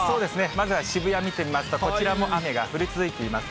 まずは渋谷見てみますと、こちらも雨が降り続いています。